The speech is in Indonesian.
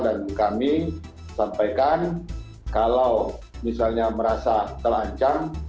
dan kami sampaikan kalau misalnya merasa terlancang